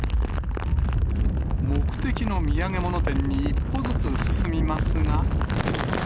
目的の土産物店に一歩ずつ進みますが。